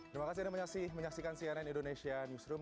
terima kasih anda menyaksikan cnn indonesia newsroom